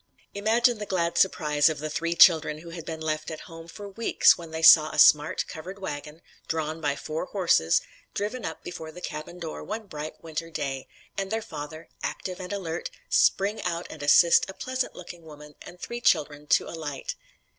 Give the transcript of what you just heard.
Imagine the glad surprise of the three children who had been left at home for weeks, when they saw a smart, covered wagon, drawn by four horses, driven up before the cabin door one bright winter day, and their father, active and alert, spring out and assist a pleasant looking woman and three children to alight!